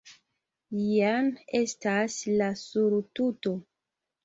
jen estas la surtuto!